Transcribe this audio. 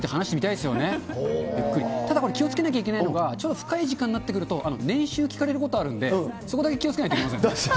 ただこれ、気をつけなきゃいけないのが、ちょっと深い時間になってくると、年収聞かれることあるんで、そこだけ気をつけないといけませんね。